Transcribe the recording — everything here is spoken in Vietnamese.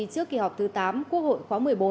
trước kỳ họp thứ tám quốc hội khóa một mươi bốn